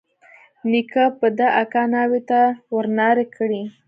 نيکه به د اکا ناوې ته ورنارې کړې.